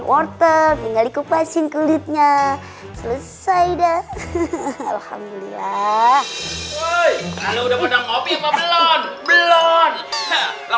water tinggal kupasin kulitnya selesai dah alhamdulillah